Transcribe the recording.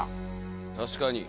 確かに。